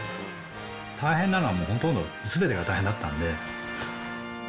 大変なのはもうほとんど、すべてが大変だったんで。